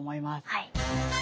はい。